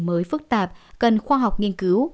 mới phức tạp cần khoa học nghiên cứu